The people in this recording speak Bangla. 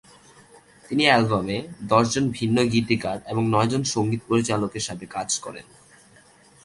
তিনি অ্যালবামে দশজন ভিন্ন গীতিকার এবং নয়জন সঙ্গীত পরিচালকের সাথে কাজ করেন।